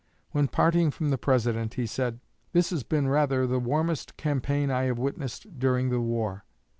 When parting from the President, he said, 'This has been rather the warmest campaign I have witnessed during the war.'"